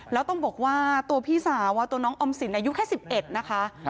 แล้วต้องบอกว่าตัวพี่สาวตัวน้องออมสินอายุแค่๑๑นะคะ